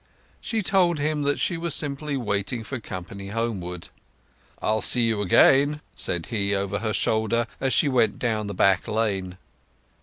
She told him that she was simply waiting for company homeward. "I'll see you again," said he over her shoulder as she went on down the back lane.